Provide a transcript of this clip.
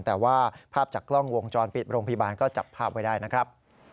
แต่ว่าภาพจากกล้องวงจรปิดโรงพยาบาลก็จับภาพไว้ได้นะครับ